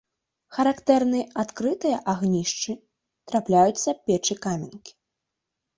Характэрны адкрытыя агнішчы, трапляюцца печы-каменкі.